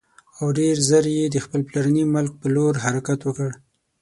او ډېر ژر یې د خپل پلرني ملک پر لور حرکت وکړ.